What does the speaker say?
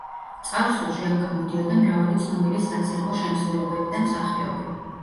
წარსულში აქ გამოდიოდა მრავალი ცნობილი საცირკო შემსრულებელი და მსახიობი.